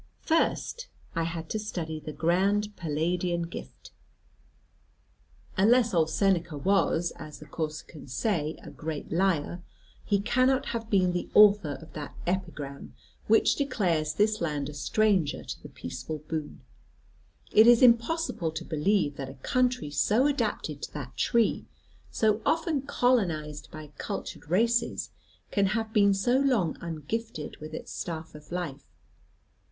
First I had to study the grand Palladian gift. Unless old Seneca was, as the Corsicans say, a great liar, he cannot have been the author of that epigram which declares this land a stranger to the peaceful boon. It is impossible to believe that a country so adapted to that tree, so often colonized by cultured races, can have been so long ungifted with its staff of life.